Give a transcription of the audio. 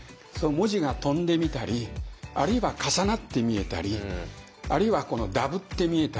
文字が飛んでみたりあるいは重なって見えたりあるいはこのダブって見えたり。